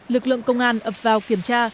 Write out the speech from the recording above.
lực lượng công an ập vào kiểm tra